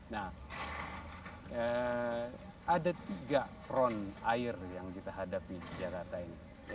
nah ada tiga ron air yang kita hadapi di jakarta ini